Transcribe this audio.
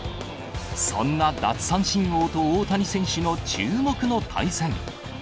そんな奪三振王と大谷選手の注目の対戦。